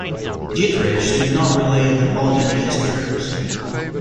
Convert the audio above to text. Dietrich did not relay the order to his troops.